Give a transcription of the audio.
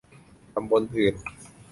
ตำบลอื่น